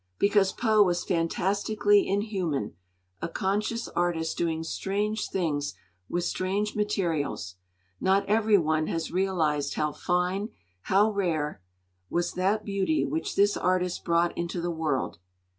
Because Poe was fantastically inhuman, a conscious artist doing strange things with strange materials, not every one has realised how fine, how rare, was that beauty which this artist brought into the world.